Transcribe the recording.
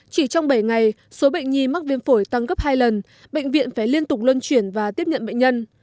chỉ trong bảy ngày số bệnh nhi mắc viêm phổi tăng gấp hai lần bệnh viện phải liên tục luân chuyển và tiếp nhận bệnh nhân